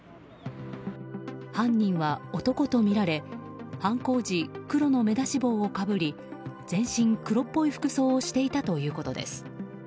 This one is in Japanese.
犯人は男とみられ犯行時、黒の目出し帽をかぶり全身黒っぽい服装をしていたということです。